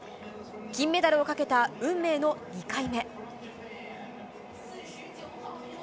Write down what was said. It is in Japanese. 金メダルをかけた運命の２回目。